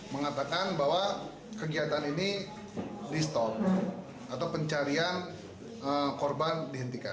mengatakan bahwa kegiatan ini di stop atau pencarian korban dihentikan